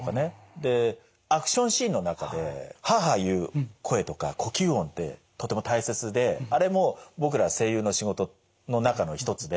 でアクションシーンの中で「ハーハー」言う声とか呼吸音ってとても大切であれも僕ら声優の仕事の中の一つで。